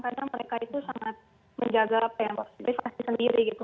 kadang mereka itu sangat menjaga pembersih sendiri gitu